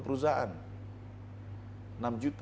tiga puluh perusahaan enam juta